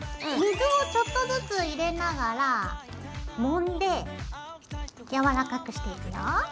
水をちょっとずつ入れながらもんでやわらかくしていくよ。